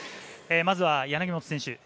まずは柳本選手。